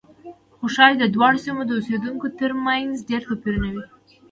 خو ښایي د دواړو سیمو د اوسېدونکو ترمنځ ډېر توپیرونه وي.